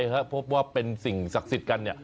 พิสุนโลกเนี่ยไปครับพบว่าเป็นสิ่งศักดิ์สิทธิ์กันเนี่ย